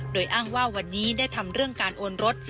โดยอ้างว่าวันนี้ได้ทำเรื่องการโอนรถ